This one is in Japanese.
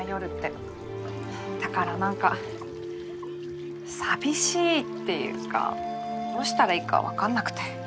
だから何か寂しいっていうかどうしたらいいか分かんなくて。